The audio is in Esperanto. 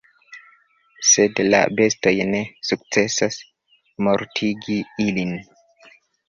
Sed la bestoj ne sukcesas mortigi ilin.